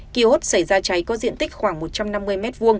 khi hốt xảy ra cháy có diện tích khoảng một trăm năm mươi m hai